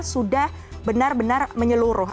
sudah benar benar menyeluruh